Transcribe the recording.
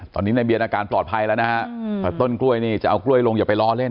ตอนนี้ในเบียนอาการปลอดภัยแล้วนะฮะต้นกล้วยนี่จะเอากล้วยลงอย่าไปล้อเล่น